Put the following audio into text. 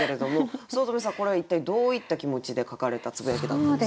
五月女さんこれは一体どういった気持ちで書かれたつぶやきだったんですか？